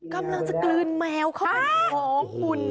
กำลังจะกลืนแมวเข้ามาหอมกุล